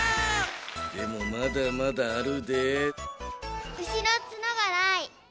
でもまだまだあるで。